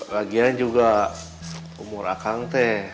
lagian juga umur akang teh